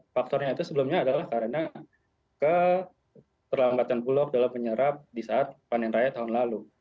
faktornya itu sebelumnya adalah karena keterlambatan bulog dalam menyerap di saat panen raya tahun lalu